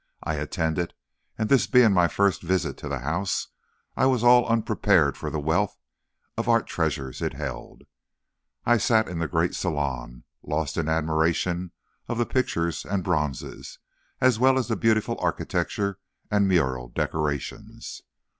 I attended, and this being my first visit to the house, I was all unprepared for the wealth of art treasures it held. I sat in the great salon, lost in admiration of the pictures and bronzes, as well as the beautiful architecture and mural decorations.